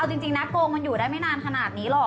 เอาจริงนะโกงมันอยู่ได้ไม่นานขนาดนี้หรอก